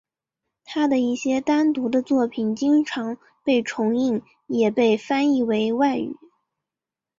他的一些单独的作品经常被重印也被翻译为外语。